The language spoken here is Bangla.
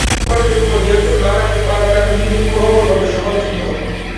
খেলোয়াড়দের উপর নিয়ন্ত্রণ না রাখতে পারার কারণে তিনি প্রবলভাবে সমালোচিত হন।